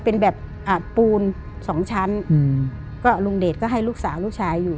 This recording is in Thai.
เป็นแบบอ่าปูนสองชั้นอืมก็ลุงเดชก็ให้ลูกสาวลูกชายอยู่